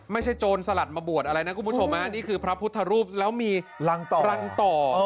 ไม่ใช่โจรสลัดมาบวชอะไรนะคุณผู้ชมฮะนี่คือพระพุทธรูปแล้วมีรังต่อ